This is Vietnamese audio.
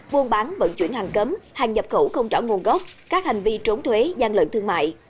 buôn bán vận chuyển hàng cấm hàng nhập khẩu không rõ nguồn gốc các hành vi trốn thuế gian lận thương mại